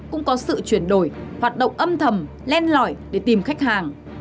cũng có sự chuyển đổi hoạt động âm thầm len lỏi để tìm khách hàng